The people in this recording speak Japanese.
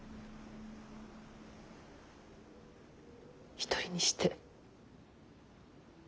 一人にして。